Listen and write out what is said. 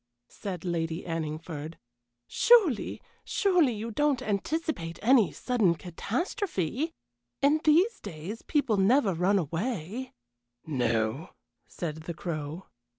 said Lady Anningford. "Surely, surely you don't anticipate any sudden catastrophe? In these days people never run away " "No," said the Crow.